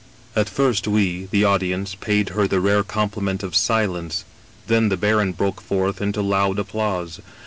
At first we, the audience, paid her the rare compliment of silence. Then the baron broke forth into loud applause.